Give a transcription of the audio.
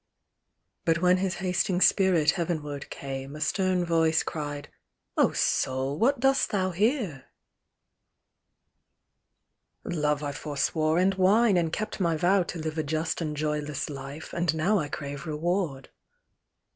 But when his hasting spirit heavenward came A stern Voice cried â " Oh Soul ! what dost thou here?" " Love I forswore, and wine, and kept my vow 'Vo live a just and joyless life, and now I crave reward."